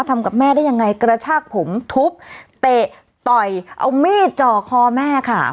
ทำกับแม่ได้ยังไงกระชากผมทุบเตะต่อยเอามีดจ่อคอแม่ค่ะ